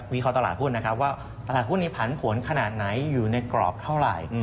เคราะหตลาดหุ้นนะครับว่าตลาดหุ้นนี้ผันผลขนาดไหนอยู่ในกรอบเท่าไหร่